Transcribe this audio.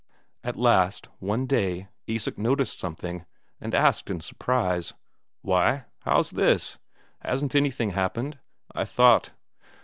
At last, one day, Isak noticed something, and asked in surprise: "Why, how's this? Hasn't anything happened? I thought...."